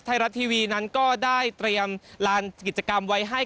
ไทยรัฐทีวีนั้นก็ได้เตรียมลานกิจกรรมไว้ให้